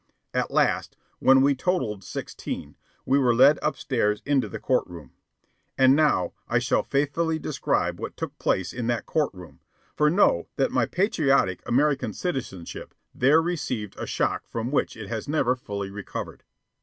At last, when we totalled sixteen, we were led upstairs into the court room. And now I shall faithfully describe what took place in that court room, for know that my patriotic American citizenship there received a shock from which it has never fully recovered.